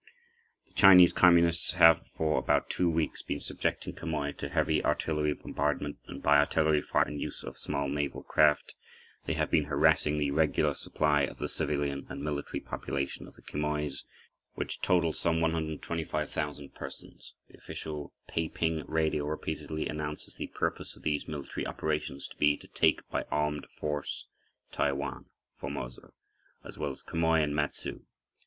The Chinese Communists have, for about 2 weeks, been subjecting Quemoy to heavy artillery bombardment and, by artillery fire and use of small naval craft, they have been harassing the regular supply of the civilian and military population of the Quemoys, which totals some 125,000 persons. The official Peiping radio repeatedly announces the purpose of these military operations to be to take by armed force Taiwan (Formosa), as well as Quemoy and Matsu.